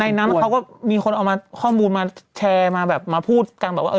นั้นเขาก็มีคนเอามาข้อมูลมาแชร์มาแบบมาพูดกันแบบว่า